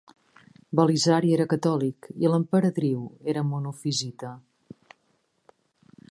Belisari era catòlic i l'emperadriu era monofisita.